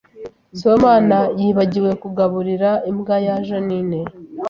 Sibomana yibagiwe kugaburira imbwa ya Jeaninne